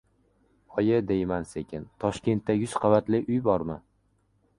— Oyi, — deyman sekin. — Toshkentda yuz qavatli uy bormi?